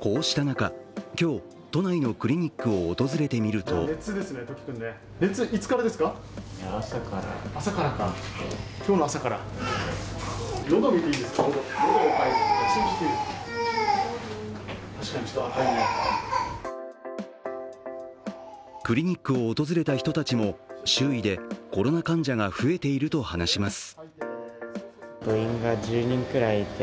こうした中、今日、都内のクリニックを訪れてみるとクリニックを訪れた人たちも周囲でコロナ患者が増えていると話します。